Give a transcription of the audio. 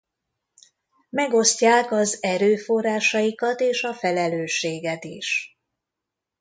Megosztják az erőforrásaikat és a felelősséget is.